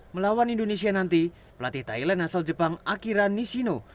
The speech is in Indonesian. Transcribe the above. melawan indonesia nanti pelatih thailand asal jepang akira nishino